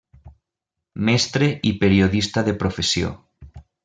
Mestre i periodista de professió.